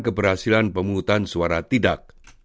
keberhasilan pemutaran suara tidak